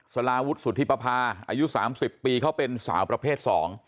สาราวุฒิสุธิปภาอายุ๓๐ปีเขาเป็นสาวประเภท๒